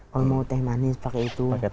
kalau mau teh manis pakai itu